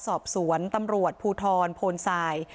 สอบสวนตำรวจภูทรโพนทราย